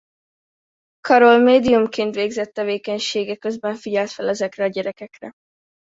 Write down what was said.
Carroll médiumként végzett tevékenysége közben figyelt fel ezekre a gyerekekre.